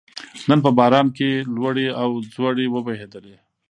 نن په باران کې لوړې او ځوړې وبهېدلې